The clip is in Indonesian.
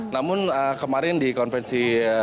namun kemarin di konvensi